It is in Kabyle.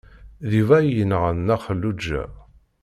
D Yuba ay yenɣan Nna Xelluǧa.